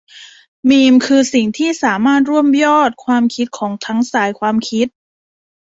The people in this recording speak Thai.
มีมคือสิ่งที่สามารถรวบยอดความคิดของทั้งสายความคิด